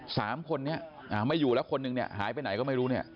สามคนไม่อยู่แล้วคนหนึ่งหายไปไหนก็ไม่รู้